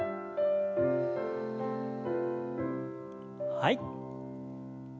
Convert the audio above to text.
はい。